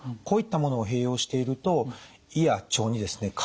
こういったものを併用していると胃や腸にですね